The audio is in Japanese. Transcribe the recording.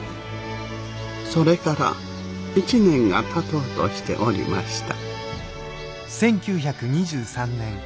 それから１年がたとうとしておりました。